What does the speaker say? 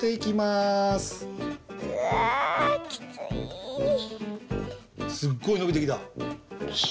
すっごいのびてきた。